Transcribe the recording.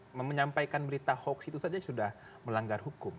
hoaks kemudian menyampaikan berita hoaks itu saja sudah melanggar hukum